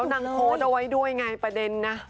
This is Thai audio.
นางโพสต์เอาไว้ด้วยไงประเด็นนะ